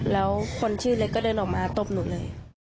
แล้วคนชื่อเล็กก็เดินออกมาตบหนูเลย